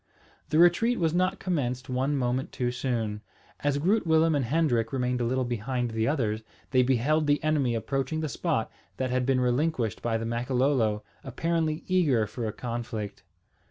The retreat was not commenced one moment too soon. As Groot Willem and Hendrik remained a little behind the others, they beheld the enemy approaching the spot that had been relinquished by the Makololo, apparently eager for a conflict.